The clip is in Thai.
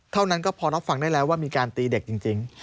เท่านั้นก็พอรับฟังได้แล้วว่ามีการตีเด็กจริง